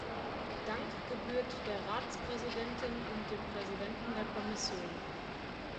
Dank gebührt der Ratspräsidentin und dem Präsidenten der Kommission.